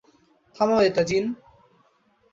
থামাও এটা, জিন।